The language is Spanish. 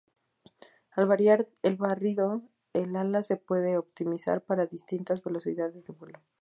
Al variar el barrido, el ala se puede optimizar para distintas velocidades de vuelo.